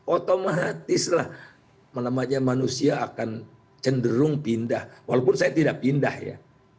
otomatislah manusia akan cenderung pindah walaupun saya tidak pindah ya